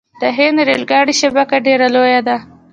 د هند ریل ګاډي شبکه ډیره لویه ده.